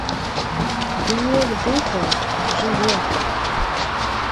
Ды неяк дыхае, жыве.